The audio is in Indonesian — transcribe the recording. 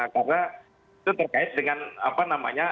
karena itu terkait dengan apa namanya